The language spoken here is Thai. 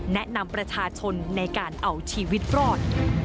แนะนำประชาชนในการเอาชีวิตรอด